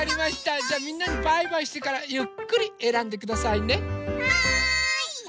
じゃあみんなにバイバイしてからゆっくりえらんでくださいね。